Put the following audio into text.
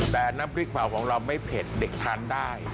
แต่น้ำพริกเผาของเราไม่เผ็ดเด็กทานได้